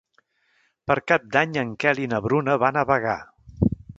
Per Cap d'Any en Quel i na Bruna van a Bagà.